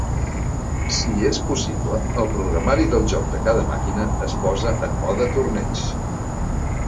Si és possible, el programari del joc de cada màquina es posa en "mode torneig".